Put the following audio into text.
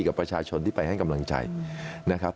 กับประชาชนที่ไปให้กำลังใจนะครับ